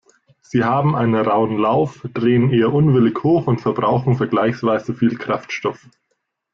Sie haben einen rauen Lauf, drehen eher unwillig hoch und verbrauchen vergleichsweise viel Kraftstoff.